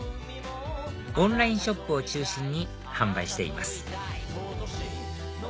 オンラインショップを中心に販売しています